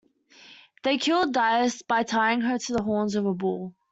They kill Dirce by tying her to the horns of a bull.